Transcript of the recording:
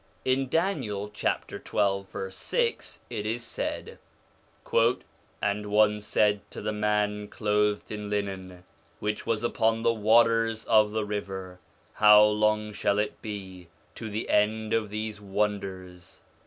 In Daniel, chapter 12 verse 6, it is said :' And one said to the man clothed in linen, which was upon the waters of the river, How long shall it be to the end of these wonders?